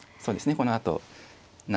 このあと７